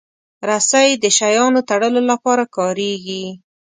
رسۍ د شیانو تړلو لپاره کارېږي.